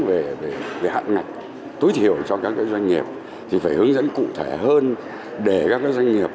về hạn ngạch tối thiểu cho các doanh nghiệp thì phải hướng dẫn cụ thể hơn để các doanh nghiệp